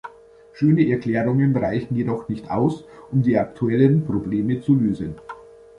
Schöne Erklärungen reichen jedoch nicht aus, um die aktuellen Probleme zu lösen.